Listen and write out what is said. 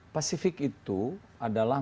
pasifik itu adalah